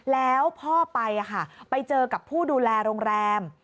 แล้วพ่อไปไปเจอกับผู้ดูแลโรงแรม